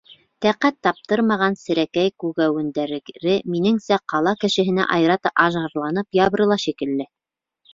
Тәҡәт таптырмаған серәкәй-күгәүендәре, минеңсә, ҡала кешеһенә айырата ажарланып ябырыла шикелле.